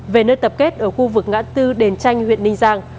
về nơi tập kết ở khu vực ngã tư đền tranh huyện ninh giang